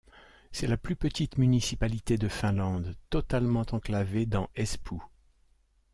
C'est la plus petite municipalité de Finlande, totalement enclavée dans Espoo.